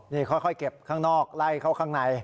นี่ค่อยเก็บข้างนอกไล่เข้าข้างใน